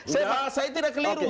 saya tidak keliru